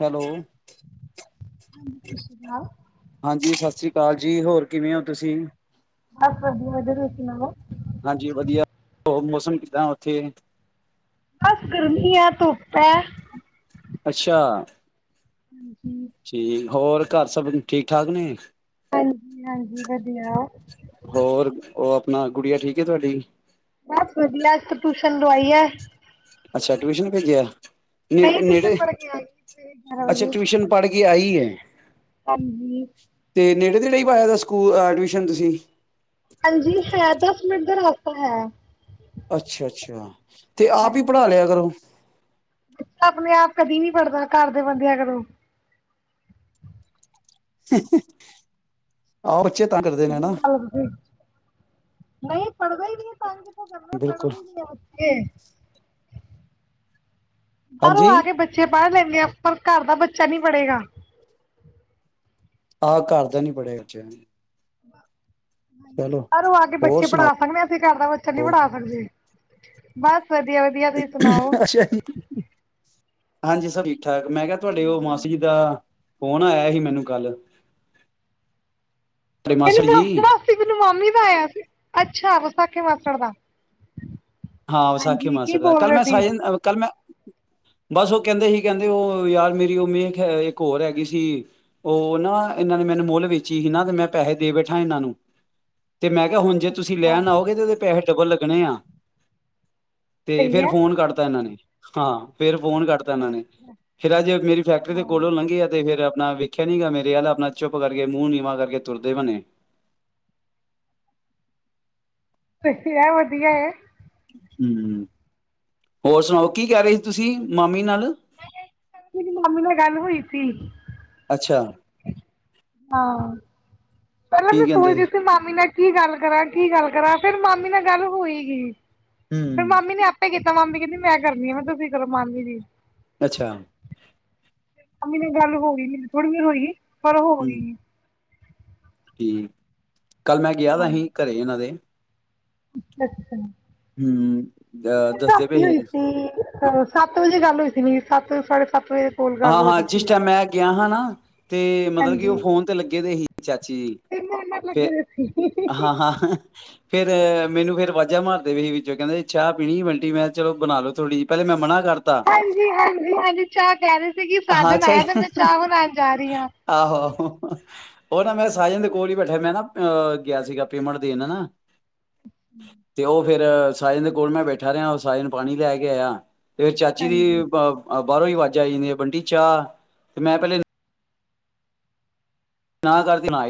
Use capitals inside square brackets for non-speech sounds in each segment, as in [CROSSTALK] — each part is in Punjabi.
ਹੈਲੋ। ਹਾਂਜੀ ਸਤਿ ਸ਼੍ਰੀ ਆਕਾਲ। ਪਾਲ ਜੀ ਹੋਰ ਕਿਵੇਂ ਹੋ ਤੁਸੀਂ? ਹਾਂ [UNINTELLIGIBLE] ਸੁਣਾਓੋ। ਹਾਂਜੀ ਵਧੀਆ ਹੋਰ ਮੌਸਮ ਕਿੱਦਾਂ ਉੱਥੇ? ਬਸ ਗਰਮੀ ਹੈ ਧੁੱਪ ਹੈ। ਅੱਛਾ। ਹਾਂਜੀ। ਠੀਕ ਹੋਰ ਘਰ ਸਭ ਠੀਕ ਠਾਕ ਨੇ? ਹਾਂਜੀ ਹਾਂਜੀ ਵਧੀਆ। ਨਾ ਗੁੜੀਆ ਠੀਕ ਏ ਤੁਹਾਡੀ? ਬਸ ਵਧੀਆ ਤੂੰ ਟਿਊਸ਼ਨ ਲਵਾਈ ਹੈ। ਅੱਛਾ ਟਿਊਸ਼ਨ ਭੇਜਿਆ, ਨਹੀਂ ਟਿਊਸ਼ਨ ਨੇੜੇ-ਨੇੜੇ ਪੜ੍ਹ ਕੇ ਆਈ ਸਵੇਰੇ ਗਿਆਰਾਂ ਅੱਛਾ ਵਜੇ ਟਿਊਸ਼ਨ ਪੜ੍ਹ ਕੇ ਆਈ ਐ। ਹਾਂਜੀ, ਨੇੜੇ-ਤੇੜੇ ਹੀ ਪਾਇਆ ਸਕੂ ਅ ਟਿਊਸ਼ਨ ਤੁਸੀਂ ਹਾਂਜੀ ਹੈ, ਦਸ ਮਿੰਟ ਦਾ ਰਸਤਾ ਹੈ। ਅੱਛਾ-ਅੱਛਾ, ਤੇ ਆਪ ਹੀ ਹਾਂਜੀ ਪੜ੍ਹਾ ਲਿਆ ਕਰੋ। ਆਪਣੇ ਆਪ ਕਦੀ ਨੀ ਪੜ੍ਹਦਾ ਘਰ ਦੇ ਬੰਦਿਆਂ ਕੋਲੋਂ ਹੂੰ-ਹੂੰ, ਆਹੋ ਬਚੇ ਤੰਗ ਕਰਦੇ ਨੇ ਨਾ, ਨਹੀਂ ਪੜ੍ਹਦਾ ਹੀ ਨਹੀਂ ਹੈ ਪੰਜ ਇਹ ਬੰਦਾ ਪੜਦਾ ਬਿਲਕੁਲ ਸੀ ਨਹੀਂ ਆ ਕੇ, ਬਾਹਰੋਂ ਹਾਂਜੀ ਆ ਕੇ ਬੱਚੇ ਪੜ੍ਹ ਲਏ, ਨਹੀਂ ਆ ਪਰ ਘਰ ਦਾ ਬੱਚਾ ਨੀ ਪੜ੍ਹੇਗਾ, ਆਹ ਘਰ ਦਾ ਨੀ ਪੜੇਗਾ [UNINTELLIGIBLE] ਬਾਹਰੋ ਆ ਕੇ ਹੋਰ ਬੱਚੇ ਪੜ੍ਹਾ ਸੁਣਾਓ ਸਕਦੇ ਆ ਅਸੀਂ ਘਰ ਦਾ ਬੱਚਾ ਨਹੀਂ ਪੜ੍ਹਾ ਸਕਦੇ। ਬਸ, ਵਧੀਆ-ਵਧੀਆ, ਤੁਸੀਂ ਸੁਣਾਓ? ਅੱਛਾ ਹਾਂਜੀ ਸਭੀ, ਠੀਕ-ਠਾਕ ਮੈਂ ਕਿਹਾ ਤੁਹਾਡੇ ਉਹ ਮਾਸੀ ਜੀ ਦਾ ਫੋਨ ਆਇਆ ਸੀ ਮੈਨੂੰ ਕੱਲ ਤੁਹਾਡੇ ਇਹਨੂੰ ਜੀ ਮਾਸੜ ਮਾਸੀ ਮੈਨੂੰ ਮਾਮੀ ਦਾ ਬਾਇਆ ਸੀ ਅੱਛਾ, ਸਕੇ ਮਾਸੜ ਦਾ ਹਾਂ ਵਿਸਾਖੀ ਹਾਂਜੀ ਕੀ ਮਾਸੜ ਦਾ ਬੋਲ ਕੱਲ ਰਹੇ ਮੈਂ ਸੀ? ਸਾਈ ਕੱਲ ਮੈਂ ਬਸ ਉਹ ਕਹਿੰਦੇ ਸੀ, ਕਹਿੰਦੇ ਉਹ ਯਾਰ ਮੇਰੀ ਉਹ ਮੇਖ ਇੱਕ ਹੋਰ ਹੈਗੀ ਸੀ ਉਹ ਨਾ ਇਹਨਾਂ ਨੇ ਮੈਨੂੰ ਮੁੱਲ ਵੇਚੀ ਸੀ ਨਾ ਤੇ ਮੈਂ ਪੈਸੇ ਦੇ ਬੈਠਾ ਇਹਨਾਂ ਨੂੰ ਤੇ ਮੈਂ ਕਿਹਾ ਹੁਣ ਜੇ ਤੁਸੀਂ ਅੱਛਾ ਲੈਣ ਆਓਗੇ ਤੇ ਉਹਦੇ ਪੈ ਡਬਲ ਲੱਗਣੇ ਆ। ਤੇ ਸਹੀ ਫੇਰ ਹੈ। ਫੋਨ ਕਟਤਾ ਇਹਨਾਂ ਨੇ, ਹਾਂ ਫੇਰ, ਫੋਨ ਕੱਟਤਾ ਇਹਨਾਂ ਨੇ, ਫੇਰ ਅੱਜ ਮੇਰੀ ਫੈਕਟਰੀ ਦੇ ਹਾਂ, ਕੋਲੋਂ ਲੰਘੇ ਆ ਤੇ ਫੇਰ ਨਾ ਵੇਖਿਆ ਨੀ ਗਾ ਮੇਰੇ ਅਲ ਆਪਣਾ ਚੁੱਪ ਕਰਕੇ ਮੂੰਹ ਨੀਵਾਂ ਕਰਕੇ ਤੁਰਦੇ ਬਣੇ। ਵਧੀਆ-ਵਧੀਆ ਏ, ਹੂੰ, ਹੋਰ ਸੁਣਾਓ ਕੀ ਕਹਿ ਰਹੇ ਸੀ ਤੁਸੀਂ ਮਾਮੀ ਨਾਲ ਮੇਰੀ ਮਾਮੀ ਨਾਲ ਗੱਲ ਹੋਈ ਸੀ। ਅੱਛਾ ਹਾਂ ਪਹਿਲਾਂ ਕੀ ਵੀੈਂ ਕਹਿੰਦੇ ਸੋਚਦੀ ਸੀ ਮਾਮੀ ਨਾਲ ਕੀ ਗੱਲ ਕਰਾਂ ਕੀ ਗੱਲ ਕਰਾਂ ਫੇਰ ਮਾਮੀ ਨਾਲ ਗੱਲ ਹੋਈਗੀ ਫਿਰ ਹੂੰ ਮਾਮੀ ਨੇ ਆਪੇ ਕੀਤਾ ਤਾਂ ਮਾਮੀ ਕਹਿੰਦੀ ਮੈਂ ਕਰਨੀ ਆ ਮੈਂ ਤੁਸੀਂ ਕਰੋ ਮਾਮੀ ਜੀ ਅੱਛਾ ਮਾਮੀ ਨਾਲ ਗੱਲ ਹੋ ਗਈ ਸੀ ਥੋੜੀ ਦੇਰ ਹੋਈ ਪਰ ਹੋਈ ਗਈ ਸੀ ਠੀਕ ਕੱਲ ਮੈਂ ਗਿਆ ਦਾ ਹਾਂ। ਸੀ ਘਰੇ ਇਹਨਾਂ ਦੇ ਅੱਛਾ ਹੂੰ ਅ ਮੇਰੀ ਦੱਸਦੇ ਰਾਤੀ ਪਏ ਹੋਈ ਸੀ ਸੱਤ ਵਜੇ ਗੱਲ ਹੋਈ ਸੱਤ ਸਾਢੇ ਸੱਤ ਵਜੇ ਕੋਲ ਗੱਲ ਹਾਂ ਹੋ ਹਾਂ ਰਹੀ ਜਿਸ ਸੀ ਟਾਈਮ ਮੈਂ ਗਿਆ ਹਾਂ ਨਾ ਤੇ ਮਤਲਬ ਕਿ ਉਹ ਹਾਂਜੀ ਫੋਨ ਤੇ ਲੱਗੇ ਦੇ ਹੀ ਜੀ ਤੇ ਮੇਰੇ ਨਾਲ ਲੱਗੇ ਫੇਰ ਦੇ ਸੀ ਹਾਂ ਹਾਂ ਫੇਰ ਮੈਨੂੰ ਫੇਰ ਅਵਾਜ਼ਾ ਮਾਰਦੇ ਵੀ ਸੀ ਵਿੱਚੋਂ ਕਹਿੰਦੇ ਚਾਹ ਪੀਣੀ ਵੈਂਟੀ ਮੈਂ ਚਲੋ ਬਣਾ ਲਓ ਥੋੜ੍ਹੀ ਪਹਿਲੇ ਮੈਂ ਮਨਾ ਕਰਤਾ ਹਾਂਜੀ ਹਾਂਜੀ ਹਾਂਜੀ ਚਾਹ ਕਹਿ ਰਹੀ ਸੀ ਕਿ ਹਾਂ ਸਾਜਨ ਅੱਛਾ ਆਇਆ ਤੇ ਮੈਂ ਚਾਹ ਬਣਾਉਣ ਜਾ ਰਹੀ ਹਾਂ ਆਹੋ ਆਹੋ। ਉਹ ਨਾ ਮੈਂ ਸੱਜਣ ਦੇ ਕੋਲ ਹੀ ਬੈਠਿਆ ਮੈਂ ਨਾ ਗਿਆ ਸੀਗਾ ਪੈਮੇਂਟ ਦੇਣ ਨਾ ਤੇ ਉਹ ਫਿਰ ਮੈ ਸਾਜਨ ਦੇ ਕੋਲ ਮੈਂ ਬੈਠਾ ਰਿਹਾ ਉਹ ਸਾਜਨ ਪਾਣੀ ਲੈ ਕੇ ਆਇਆ ਫਿਰ ਚਾਚੀ ਦੀ ਹਾਂਜੀ [UNINTELLIGIBLE] ਜਾਂਦੇ ਈ ਵੰਡੀ ਚਾਹ ਤੇ ਮੈਂ ਪਹਿਲੇ ਨਾ ਕਰਤੀ [UNINTELLIGIBLE]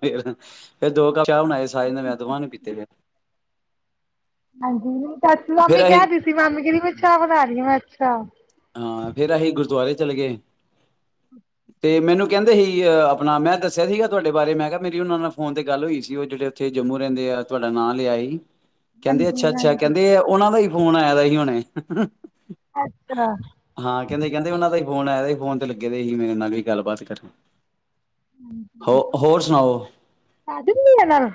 ਫਿਰ ਫਿਰ ਦੋ ਕਪ ਚਾਹ ਬਣਾਏ ਸਾਜਨ ਨੇ ਮੈਂ ਦੋਹਾਂ ਨੇ ਪੀਤੇ ਫਿਰ ਹਾਂਜੀ ਚਾਚੀ ਮਾਮੀ ਫੇਰ ਅਸੀਂ ਕਹਿਦੀ ਸੀ ਮਾਮੀ ਕੇਹਂਦੀ ਮੈਂ ਚਾਹ ਬਣਾ ਰਹੀ ਮੈਂ ਅੱਛਾ ਹਾਂ ਫਿਰ ਅਸੀਂ ਗੁਰਦੁਆਰੇ ਚਲੇ ਗਏ ਤੇ ਮੈਨੂੰ ਕਹਿੰਦੇ ਸੀ ਆਪਣਾ ਮੈਂ ਦੱਸਿਆ ਸੀਗਾ ਤੁਹਾਡੇ ਬਾਰੇ ਮੈਂ ਕਿਹਾ ਮੇਰੀ ਉਹਨਾਂ ਨਾਲ ਫੋਨ ਤੇ ਗੱਲ ਹੋਈ ਸੀ ਉਹ ਜਿਹੜੇ ਉੱਥੇ ਜੰਮੂ ਰਹਿੰਦੇ ਆ ਤੁਹਾਡਾ ਨਾਂ ਲਿਆ ਸੀ ਕਹਿੰਦੇ ਅੱਛਾ ਹਾਂਜੀ ਅੱਛਾ ਹਾਂਜੀ ਕਹਿੰਦੇ ਉਹਨਾਂ ਦਾ ਹੀ ਫੋਨ ਆਇਆ ਦਾ ਸੀ ਹੁਣੇ ਅੱਛਾ ਹਾਂ ਕਹਿੰਦੇ ਕਹਿੰਦੇ ਉਹਨਾਂ ਦਾ ਫੋਨ ਆ ਸੀ ਫੋਨ ਤੇ ਲੱਗੇ ਦੇ ਸੀ ਮੇਰੇ ਨਾਲ ਗੱਲਬਾਤ ਕਰਨ ਹੋ ਹੋਰ ਸੁਣਾਓ? ਸਾਜਨ ਜੀ ਹੁਣਾ ਨਾਲ?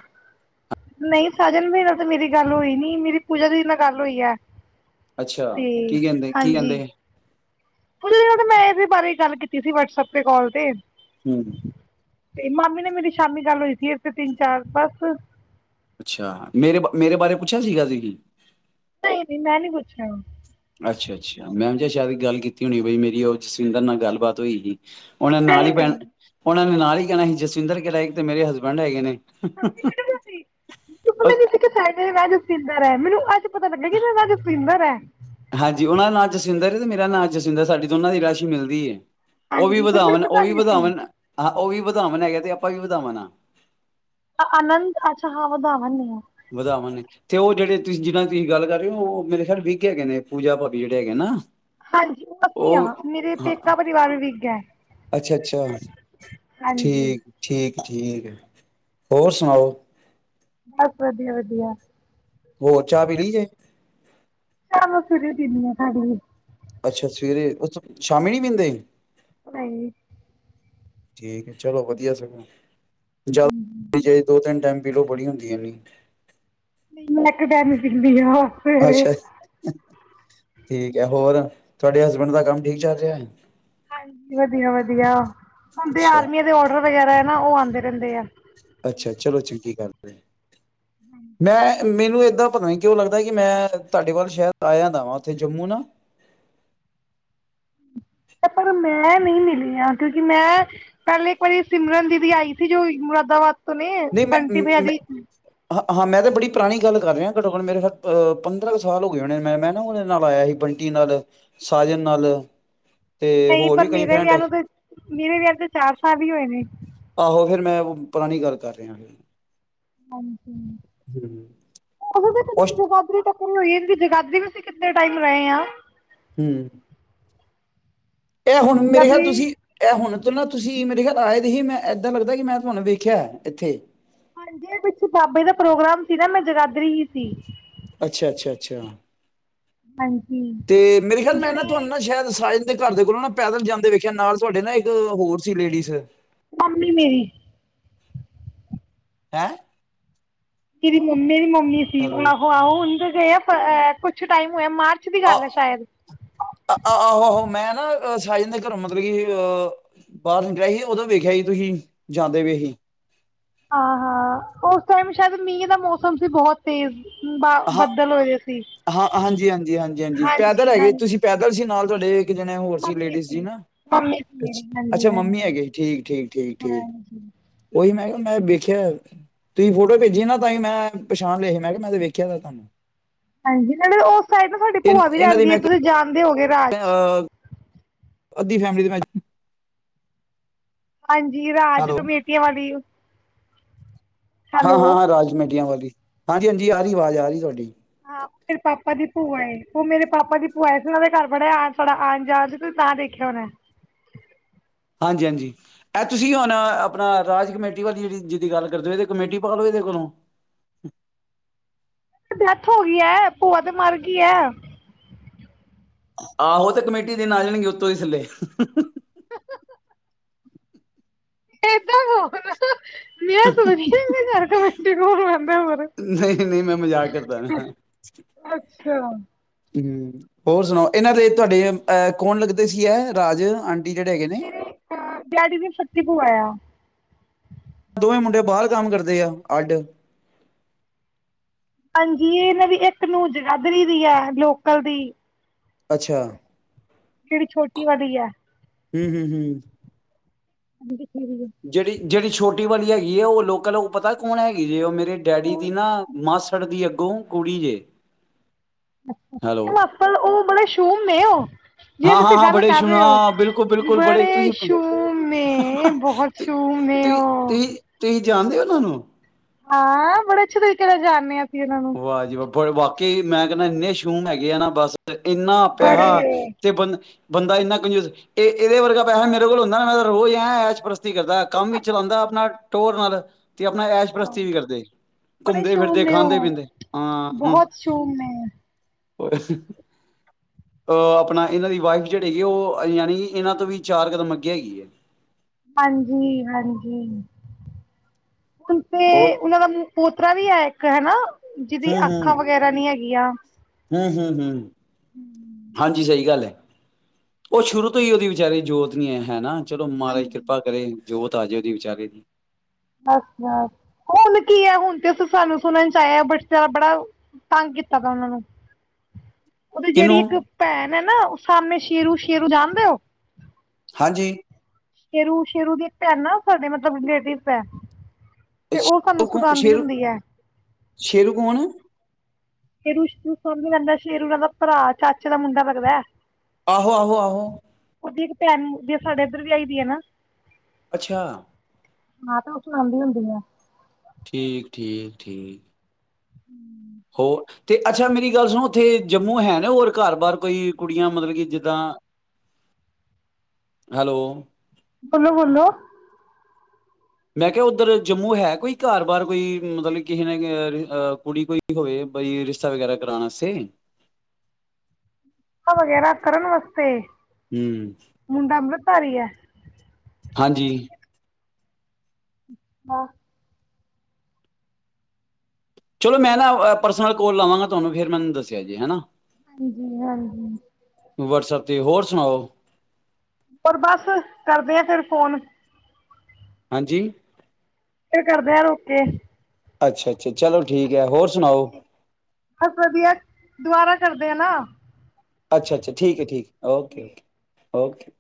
ਨਹੀਂ ਸਾਜਨ ਵੀ ਨਾਲ ਤੇ ਮੇਰੀ ਗੱਲ ਹੋਈ ਨਹੀਂ। ਮੇਰੀ ਪੂਜਾ ਦੀ ਨਾਲ ਗੱਲ ਹੋਈ ਐ। ਅੱਛਾ ਕੀ ਕਹਿੰਦੇ ਕੀ ਕਹਿੰਦੇ? [UNINTELLIGIBLE] ਮੈਂ ਇਹਦੇ ਬਾਰੇ ਗੱਲ ਕੀਤੀ ਸੀ ਵਟਸਪ ਤੇ ਕਾਲ ਤੇ। ਹੂੰ। ਤੇ ਮਾਮੀ ਨੇ ਮੇਰੀ ਸ਼ਾਮੀ ਗੱਲ ਹੋਈ ਸੀ ਇਥੇ ਤਿੰਨ ਚਾਰ ਬਸ। ਅੱਛਾ, ਮੇਰੇ ਮੇਰੇ ਬਾਰੇ ਪੁੱਛਿਆ ਸੀਗਾ ਸੀ। ਨਹੀਂ ਨਹੀਂ ਮੈਂ ਨਹੀਂ ਪੁੱਛਿਆ। ਅੱਛਾ ਅੱਛਾ ਮੈਂ ਸ਼ਾਇਦ ਗੱਲ ਕੀਤੀ ਹੋਣੀ ਬਈ ਮੇਰੀ ਉਹ ਜਸਵਿੰਦਰ ਨਾਲ ਗੱਲਬਾਤ ਹੋਈ ਸੀ। ਉਹਨਾਂ ਨੇ ਨਾਲ ਨਹੀਂ ਹੀ ਪੈਣ ਨਹੀਂ ਉਹਨਾਂ ਨੇ ਨਾਲ ਕੀ ਕਹਿਣਾ ਸੀ? ਜਸਵਿੰਦਰ ਕਿਹੜਾ ਇੱਕ ਤੇ ਮੇਰੇ ਹਸਬੈਂਡ ਹੈਗੇ ਨੇ। ਮੰਮੀ ਮੈਨੂੰ ਦੱਸੀ ਅ ਪੀਂਦਾ ਰਿਹਾ ਐ। ਮੈਨੂੰ ਅੱਜ ਪਤਾ ਲੱਗਿਆ [UNINTELLIGIBLE] [UNINTELLIGIBLE] ਹਾਂਜੀ ਉਹਨਾਂ ਦਾ ਨਾਂ ਜਸਵਿੰਦਰ ਐ ਤੇ ਮੇਰਾ ਨਾਂ ਜਸਵਿੰਦਰ ਸਾਡੀ ਦੋਨਾਂ ਦੀ ਰਾਸ਼ੀ ਮਿਲਦੀ ਐ। ਉਹ ਵੀ ਹਾਂਜੀ ਪਰ ਮੈਨੂੰ ਵਧਾਵਨ ਉਹ ਪਤਾ ਵੀ ਨਹੀਂ ਸੀ ਵਧਾਵਨ ਹਾਂ। ਉਹ ਵੀ ਵਧਾਵਨ ਹੈਗੇ ਤੇ ਆਪਾਂ ਵੀ ਵਧਾਵਨ ਆ। ਅਨੰਤ ਅੱਛਾ ਹਾਂ ਵਧਾਵਨ ਨੇ। ਵਧਾਵਨ ਐ ਤੇ ਉਹ ਜਿਹੜੇ ਤੁਸੀਂ ਜਿਨਾ ਤੁਸੀਂ ਗੱਲ ਕਰ ਰਹੇ ਹੋ ਉਹ ਮੇਰੇ ਖਿਆਲ ਵਿਕ ਹੈਗੇ ਨੇ ਪੂਜਾ ਭਾਬੀ ਜਿਹੜੇ ਹੈਗੇ ਨਾ। ਹਾਂਜੀ ਅਸੀਂ ਆ। ਉਹ ਮੇਰੇ ਹਾਂ ਪੇਕਾ ਪਰਿਵਾਰ ਵੀਗ ਐ ਅੱਛਾ-ਅੱਛਾ, ਹਾਂਜੀ। ਠੀਕ-ਠੀਕ, ਠੀਕ ਠੀਕ ਠੀਕ ਐ। ਹੋਰ ਸੁਣਾਓ? ਬਸ ਵਧੀਆ-ਵਧੀਆ। ਹੋਰ ਚਾਹ ਪੀ ਲਈ ਜੇ? ਚਾਹ ਮੈਂ ਸਵੇਰੇ ਪੀਂਦੀ ਆਂ ਹਾਂਜੀ। ਅੱਛਾ ਸਵੇਰੇ ਉਸ ਸ਼ਾਮੀਂ ਨਹੀਂ ਬਹਿੰਦੇ? ਨਹੀਂ। ਠੀਕ ਹੈ ਚਲੋ ਵਧੀਆ ਸਗੋਂ। [UNINTELLIGIBLE] ਦੋ ਤਿੰਨ ਟਾਈਮ ਪੀਲੋ ਬੜੀ ਹੁੰਦੀ ਇੰਨੀ। ਨਹੀਂ ਮੈਂ ਇੱਕ ਟਾਈਮ ਈ ਪੀਂਦੀ ਆਂ ਅੱਛਾ। ਠੀਕ ਐ, ਹੋਰ ਤੁਹਾਡੇ ਹਸਬੈਂਡ ਦਾ ਕੰਮ ਠੀਕ ਚੱਲ ਰਿਹਾ ਐ? ਹਾਂਜੀ ਵਧੀਆ-ਵਧੀਆ ਹੁੰਦੇ ਅੱਛਾ, ਆਰਮੀ ਦੇ ਔਡਰ ਵਗੈਰਾ ਨਾ ਉਹ ਆਉਂਦੇ ਰਹਿੰਦੇ ਆ। ਅੱਛਾ ਚਲੋ ਚੰਗੀ ਗੱਲ ਐ। ਮੈਂ ਮੈਨੂੰ ਏਦਾ ਪਤਾ ਨੀ ਕਿਉਂ ਲੱਗਦਾ ਕਿ ਮੈਂ ਤੁਹਾਡੇ ਵੱਲ ਸ਼ਹਿਰ ਆਇਆ ਦਾ ਵਾ ਉੱਥੇ ਜੰਮੂ ਨਾ ਪਰ ਮੈਂ ਨਈ ਮਿਲੀ ਆ ਕਿਉਂਕਿ ਮੈਂ ਪਹਿਲੇ ਇੱਕ ਵਾਰੀ ਸਿਮਰਨ ਦੀਦੀ ਆਈ ਸੀ ਜੋ ਮੁਰਾਦਾਬਾਦ ਤੋਂ ਨੇ ਨਹੀਂ ਮੈਂ ਬੰਟੀ ਬਈਆ ਮੈਂ ਦੀ ਹਾਂ ਹਾਂ, ਮੈਂ ਤੇ ਬੜੀ ਪੁਰਾਣੀ ਗੱਲ ਕਰ ਰਿਆ ਘਟੋ ਘੱਟ ਮੇਰੇ ਖਿ ਹ ਅਹ ਪੰਦਰਾਂ ਕੁ ਸਾਲ ਹੋ ਗਏ ਹੋਣੇ, ਮੈ ਮੈਂ ਨਾ ਉਹਦੇ ਨਾਲ ਆਇਆ ਸੀ ਬੰਟੀ ਨਾਲ ਸਾਜਨ ਨਾਲ ਤੇ ਨਹੀਂ ਹੋਰ ਵੀ ਪਰ ਕਈ ਮੇਰੇ ਫਰੈਂਡ ਵਿਆਹ ਹੈ ਨੂੰ ਤੇ ਮੇਰੇ ਵਿਆਹ ਤੇ ਚਾਰ ਸਾਲ ਹੀ ਹੋਏ ਨੇ ਉਹ ਪੁਰਾਣੀ ਗੱਲ ਕਰ ਦਿਆਂ ਕੋਈ ਹਾਂਜੀ ਓ [UNINTELLIGIBLE] [UNINTELLIGIBLE] ਉਸ [UNINTELLIGIBLE] ਜਗਾਦੀ ਵੀ ਅਸੀਂ ਕਿੱਨੇ ਟਾਈਮ ਰਹੇ ਆ ਹੂੰ ਏ ਹੁਣ ਮੇਰੇ ਖਿਆ ਜਗਾਦਰੀ ਤੁਸੀਂ ਐ ਹੁਣ ਨਾ ਤੁਸੀਂ ਮੇਰੇ ਘਰ ਆਏ ਦੇ ਸੀ ਮੈਂ ਏਦਾਂ ਲੱਗਦਾ ਕਿ ਮੈਂ [UNINTELLIGIBLE] ਤੁਹਾਨੂੰ ਵੇਖਿਆ ਏਥੇ। ਹਾਂਜੀ, ਏ ਪਿੱਛੇ ਬਾਬੇ ਦਾ ਪ੍ਰੋਗਰਾਮ ਸੀ ਨਾ ਮੈਂ ਜਗਾਦਰੀ ਹੀ ਸੀ। ਅੱਛਾ-ਅੱਛਾ-ਅੱਛਾ। ਹਾਂਜੀ ਤੇ ਮੇਰੇ ਖਿਆਲ ਮੈਂ ਨਾ ਤੁਹਾਨੂੰ ਨਾ ਸ਼ਾਇਦ ਸਾਇ ਦੇ ਘਰ ਦੇ ਕੋਲੋਂ ਨਾ ਪੈਦਲ ਜਾਂਦੇ ਵੇਖਿਆ ਨਾਲ ਤੁਹਾਡੇ ਨਾ ਇੱਕ ਹੋਰ ਸੀ ਲੇਡੀਜ਼ ਮਾਮੀ ਮੇਰੀ ਹੈਂ! [UNINTELLIGIBLE] ਮੰਮੀੇ ਦੀ ਮ ਦੀ ਸੀ ਹੈਲੋ ਆਹੋ ਉੰਦੇ [UNINTELLIGIBLE] ਕੁਛ ਟਾਈਮ ਹੋਇਆ ਮਾਰ ਆ ਆਹੋ-ਆਹੋ ਮੈਂ ਨਾ ਸਾਇਲ ਦੇ ਘਰੋਂ ਮਗਰੀ ਕਿ ਅ ਅਹ ਬਾਹਰ ਨਿਕਲਿਆ ਸੀ, ਉਦੋਂ ਵੇਖਿਆ ਹੀ ਤੁਸੀਂ ਜਾਂਦੇ ਪਏ ਸੀ। ਹਾਂ-ਹਾਂ, ਓਸ ਟਾਈਮ ਸ਼ਾਇਦ ਮੀਂਹ ਦਾ ਮੌਸਮ ਸੀ ਬਹੁਤ ਤੇਜ਼ ਬ ਬੱਦਲ ਹੋਏ ਦੇ ਸੀ ਹਾਂ-ਹਾਂ ਹਾਂਜੀ-ਹਾਂਜੀ-ਹਾਂਜੀ-ਹਾਂਜੀ ਪੈਦਲ ਹਾਂਜੀ ਹੈਗੇ ਤੁਸੀਂ ਹਾਂਜੀ ਪੈਦਲ ਸੀ ਨਾਲ ਤੁਹਾਡੇ ਇਕ ਜਣੇ ਹੋਰ ਸੀ ਮੰਮੀ ਲੇਡੀਜ਼ ਜੀ ਨਾ ਮੰਮੀ ਸੀ ਮੇਰੀ ਹਾਂਜੀ ਅੱਛਾ ਮੰਮੀ ਹਾਂਜੀ ਹੈਗੇ ਠੀਕ-ਠੀਕ- ਠੀਕ-ਠੀਕ ਹਾਂਜੀ ਉਹੀ ਮੈਂ ਕਿਹਾ ਮੈਂ ਵੇਖਿਆ ਤੁਸੀਂ ਫੋਟੋ ਭੇਜੀ ਨਾ ਤਾਂਹੀ ਮੈਂ ਪਛਾਣ ਲਏ ਮੈਂ ਕਿਹਾ ਮੈਂ ਤੇ ਵੇਖ ਖਿਆ ਤਾਨੂੰ। ਹਾਂਜੀ ਨਾਲ ਓਸ ਸਾਈਡ ਨਾ ਤੁਹਾਡੀ ਭੂਆ ਵੀ ਇਹਨਾਂ ਦੀ ਰਹਿੰਦੀ ਐ ਮੈਂ ਅਹ, ਤੁਸੀਂ ਜਾਣਦੇ ਹੋਓਗੇ। [INAUDIBLE] ਅੱਧੀ ਫੈਮਿਲੀ ਤੇ ਮੈਂ ਹਾਂਜੀ, ਰਾਜ ਹੈਲੋ ਕਮੇਟੀਆਂ ਆਲੀ ਹਾਂ-ਹਾਂ-ਹਾਂ ਰਾਜ ਕਮੇਟੀਆਂ ਵਾਲੇ ਹਾਂਜੀ-ਹਾਂਜੀ ਆ ਰਹੀ ਆਵਾਜ਼ ਆ ਰਹੀ ਤੁਹਾਡੀ‌। ਹਾਂ, ਮੇਰੇ ਪਾਪਾ ਦੀ ਭੂਆ ਏ, ਔ ਮੇਰੇ ਪਾਪਾ ਦੀ ਭੂਆ ਆਈ ਸੀ ਔਨਾਂ ਦੇ ਘਰ ਬੜਾ ਆਣ ਸਾਡਾ ਆਣ ਜਾਣ ਸੀ ਤੁਸੀਂ ਤਾਂ ਦੇਖਿਆ ਹੋਨੈ। ਹਾਂਜੀ ਹਾਂਜੀ, ਐ ਤੁਸੀਂ ਹੋਣ ਆਪਣਾ ਰਾਜ ਕਮੇਟੀ ਵਾਲੀ ਜੇੜੀ ਜਿਦੀ ਗੱਲ ਕਰਦੇ ਪਏ ਐਦੇ ਕਮੇਟੀ ਪਾ ਲੋ ਐਦੇ ਕੋਲੋਂ। ਡੈਥ ਹੋ ਗਈ ਐ ਭੂਆ ਤੇ ਮਰ ਗ ਗੀ ਐ। ਆਹੋ ਤੇ ਕਮੇਟੀ ਦੇਨ ਆ ਜਾਣਗੇ ਉੱਤੋਂ ਹੀ ਥੱਲੇ। ਐਦਾਂ ਕਹੋ ਨਾਂ। ਮੈਂ ਸੋਚ ਰੀ ਆ ਐਦੇ ਘਰ ਕਮੇਟੀ ਕੋਣ ਪਾਂਦਾ ਹੋਰ ਨਹੀਂ-ਨਹੀਂ ਮੈਂ ਮਜ਼ਾਕ ਕਰਦਾ ਪਿਆ। ਤੇ ਹੋਣ ਕਿਣ ਹੋਰ ਸੁਣਾਓ ਏਨਾਂ ਦੇ ਤੁਹਾਡੇ ਅਹ ਕੌਣ ਲੱਗਦੇ ਸੀ ਐ। ਰਾਜ ਆਂਟੀ ਜਿਹੜੇ ਹੈਗੇ ਨੇ? ਮੇਰੇ ਅ ਡੈਡੀ ਦੀ ਸੱਕੀ ਪੁਆ ਆ। [INAUDIBLE] ਦੋਵੇਂ ਮੁੰਡੇ ਬਾਰ ਕੰਮ ਕਰਦੇ ਆ ਅੱਡ। ਹਾਂਜੀ, ਏਨਾਂ ਦੀ ਏਕ ਨੂੰ ਜਗਾਧਰੀ ਦੀ ਐ, ਲੋਕਲ ਦੀ। ਅੱਛਾ। ਜੇੜੀ ਛੋਟੀ ਵਾਲੀ ਐ। ਹੂੰ ਹੂੰ ਹੂੰ। [INAUDIBLE] ਜੇੜੀ ਜੇੜੀ ਛੋਟੀ ਵਾਲੀ ਹੈਗੀ ਐਂ, ਔ ਲੋਕਲ ਔ ਪਤਾ ਕੌਣ ਹੈਗੀ ਜੇ ਔ ਮੇਰੇ ਡੈਡੀ ਦੀ ਕੌਣ ਨਾ ਮਾਸੜ ਦੀ ਅੱਗੋਂ ਕੁੜੀ ਜੇ। ਹੈਲੋ ਚਲਾਕਣ ਔ ਬੜੇ ਸ਼ ਛੂਮ ਨੇ ਓ। ਹਾਂ ਹਾਂ ਹਾਂ, ਬੜੇ ਸੁ਼ਮ ਹਾਂ ਬਿਲਕੁਲ ਬਿਲਕੁਲ ਬੜੇ ਤੁਸੀ ਸ਼ੂਮ ਨੇ ਬਹੁਤ ਸ਼ੂਮ ਨੇ ਉਹ। ਤੁਈ-ਤੁਈ-ਤੁਈ-ਤੁਈ ਜਾਣਦੇ ਹੋ ਔਨਾਂ ਨੂੰ? ਹਾਂ, ਬੜੇ ਅਛੇ ਤਰੀਕੇ ਨਾਲ ਜਾਣ ਨੀ ਆਂ। ਵਾਹ ਜੀ ਵਾਹ ਪਰ ਬਾਕੀ ਮੈਂ ਕੈੰਣਾ ਇੰਨੇ ਸ਼ੂਮ ਹੈਗੇ ਆ ਨਾ ਬਸ ਇੰਨਾ ਪੈਹਾ ਬੜੇ ਤੇ ਬੰ ਬੰਦਾ ਇੰਨਾ ਕੰਜਊਸ ਏ ਏਦੇ ਵਰਗਾ ਪੈਸਾ ਮੇਰੇ ਕੋਲ ਹੁੰਦਾ ਨਾ ਮੈਂ ਤਾਂ ਰੋਜ਼ ਐ ਐਸ਼ ਪ੍ਰਸਤੀ ਕਰਦਾ ਕੰਮ ਵੀ ਚਲਾਂਦਾ ਅਪਣਾ ਟੋਰ ਨਾਲ। ਤੇ ਅਪਣਾ ਐਸ਼ ਪ੍ਰਸਤੀ ਵੀ ਕਰਦੇ ਬੜੇ ਘੁੰਮਦੇ ਸ਼ੋਮ ਫਿਰਦੇ ਨੇ ਖਾਂਦੇ ਉਹ ਪੀਂਦੇ। ਬਹੁਤ ਸੂ਼ਮ ਨੇ ਔਏ ਹਹ, ਅਹ ਅਪਣਾ ਇਨਾਂ ਦੀ ਵਾਈਫ ਜੇੜੇ ਹੈਗੀ ਔ ਯਾਨੀ ਇਨਾਂ ਤੋਂ ਵੀ ਚਾਰ ਕਦਮ ਅੱਗੇ ਹੈਗੀ ਏ। ਹਾਂਜੀ ਹਾਂਜੀ। ਹੁਣ ਹੋਰ ਤੇ ਉਨਾਂ ਦਾ ਮੁ ਪੋਤ ਪੋਤਰਾ ਵੀ ਹੈ ਇਕ ਹੈਨਾ। ਜਿਦੀ ਅੱਖਾਂ ਵਗੈਰਾ ਨ੍ਹੀਂ ਹੈਗ ਕੀ ਯਾ ਹਮ-ਹਮ, ਹਮ ਹਾਂਜੀ ਸਹੀ ਗੱਲ ਹੈ। ਉਹ ਸ਼ੁਰੂ ਤੋਂ ਹੀ ਉਹਦੀ ਵਿਚਾਰੇ ਦੀ ਜੋਤ ਨਹੀਂ ਹੈ ਹੈਨਾ। ਚਲੋ ਮਹਾਰਾਜ ਕਿਰਪਾ ਕਰੇ। ਜੋਤ ਆਜੇ ਉਹਦੀ ਵਿਚਾਰੇ ਦੀ। ਅੱਛਾ ਹੁਣ ਕੀ ਹੈ ਹੁਣ ਤੇ ਸ ਸਾਨੂੰ ਸੁਣਨ ਚ ਆਇਆ ਬਟ ਬੜਾ ਤੰਗ ਕੀਤਾ ਪਿਆ ਉਹਨਾਂ ਨੂੰ। ਉਹਦੀ ਜਿਹੜੀ ਕਿਹਨੂੰ ਇੱਕ ਭੈਣ ਹੈ ਨਾ ਸਾਹਮਣੇ ਸ਼ੇਰੂ-ਸ਼ੇਰੂ ਜਾਣਦੇ ਹੋ? ਹਾਂਜੀ ਸ਼ੇਰੂ-ਸ਼ੇਰੂ ਦੀ ਇੱਕ ਭੈਣ ਨਾ ਸਾਡੇ ਮਤਲਬ ਰਿਲੇਟਿਵ ਹੈ। ਤੇ ਸਾਨੂੰ ਉਹ ਕੋਣ ਸੁਣਾਉਂਦੀ ਸੇ਼ਰੂ, ਹੁੰਦੀ ਹੈ। ਸੇ਼ਰੂ ਕੋਣ? ਸ਼ੇਰੂ ਸ਼ਰੂ ਸਾਮਨੇ ਰਹਿੰਦਾ ਸ਼ੇਰੂ ਉਨਾਂ ਦਾ ਭਰਾ ਚਾਚੇ ਦਾ ਮੁੰਡਾ ਲੱਗਦਾ। ਆਹੋ-ਆਹੋ, ਆਹੋ ਇੱਕ ਭੈਣ ਜੇ ਸਾਡੇ ਇੱਧਰ ਵਿਆਈ ਦੀ ਹੈ ਨਾ। ਅੱਛਾ ਹਾਂ ਤੇ ਉਹ ਸੁਣਾਉਦੀ ਹੁੰਦੀ ਐ। ਠੀਕ-ਠੀਕ, ਠੀਕ ਹਮ ਹੋਰ ਤੇ ਅੱਛਾ ਮੇਰੀ ਗੱਲ ਸੁਣ ਉੱਥੇ ਜੰਮੂ ਹੈ ਨਾ ਹੋਰ ਘਰ ਬਾਹਰ ਕੋਈ ਕੁੜੀਆਂ ਮਤਲਬ ਕਿ ਜਿੱਦਾਂ, ਹੈਲੋ ਬੋਲੋ-ਬੋਲੋ ਮੈਂ ਕਿਹਾ ਉੱਧਰ ਜੰਮੂ ਹੈ ਕੋਈ ਘਰ ਬਾਹਰ ਕੋਈ ਮਤਲਬ ਕਿਸੇ ਨੇ ਕੁੜੀ ਕੋਈ ਹੋਵੇ ਬਈ ਰਿਸ਼ਤਾ ਵਗੈਰਾ ਕਰਾਉਣ ਵਾਸਤੇ। ਵਗੈਰਾ ਕਰਨ ਵਾਸਤੇ ਹਮ ਧਾਰੀ ਹੈ। ਹਾਂਜੀ ਵਾਹ। ਚਲੋ ਮੈਂ ਨਾ ਪਰਸਨਲ ਕੋਲ ਲਾਵਾਂਗਾ ਤੁਹਾਨੂੰ ਫਿਰ ਮੈਨੂੰ ਦੱਸਿਆ ਜੇ ਹੈਨਾ। ਹਾਂਜੀ-ਹਾਂਜੀ ਵਟਸਐਪ ਤੇ ਹੋਰ ਸੁਣਾਓ। ਹੋਰ ਬਸ ਕਰਦੇ ਆ ਫੇਰ ਫੋਨ। ਹਾਂਜੀ ਫੇਰ ਕਰਦੇ ਆ ਰੁਕ ਕੇ। ਅੱਛਾ ਅੱਛਾ ਚਲੋ ਠੀਕ ਹੈ ਹੋਰ ਸੁਣਾਓ। ਬਸ ਵਧੀਆ ਦੁਬਾਰਾ ਕਰਦੇ ਆ ਨਾ। ਅੱਛਾ-ਅੱਛਾ ਠੀਕ ਹੈ, ਠੀਕ ਓਕੇ-ਓਕੇ। ਓਕੇ।